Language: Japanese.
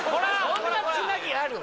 そんなつなぎある？